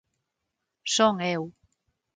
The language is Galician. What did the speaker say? Son eu.